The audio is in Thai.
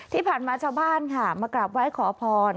ที่ผ่านมาชาวบ้านค่ะมากราบไหว้ขอพร